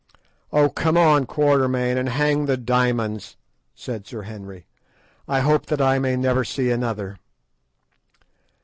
"Oh, come on, Quatermain! and hang the diamonds!" said Sir Henry. "I hope that I may never see another."